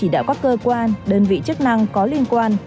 đã có cơ quan đơn vị chức năng có liên quan